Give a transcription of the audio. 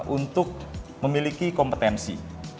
untuk memiliki kompetensi